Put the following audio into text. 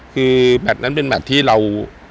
คือแมทนั้นเป็นแมทที่เรา